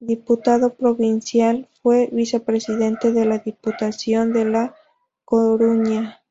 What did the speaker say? Diputado provincial, fue vicepresidente de la Diputación de la Coruña.